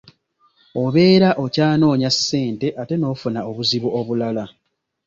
Obeera okyanoonya ssente ate n'ofuna obuzibu obulala.